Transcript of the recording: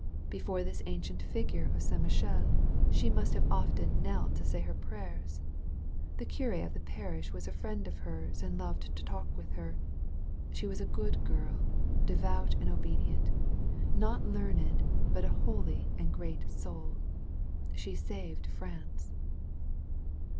Before this ancient statue of St. Michel she must have often knelt to say her prayers. The cur£ of the parish was a friend of hers and loved to talk with her. She was a good girl, devout and obedient, not learned, but a holy and great soul. She saved France.